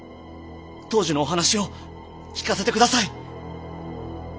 当時のお話を聞かせて下さい。